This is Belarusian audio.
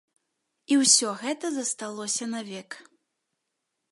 І ўсё гэта засталося навек.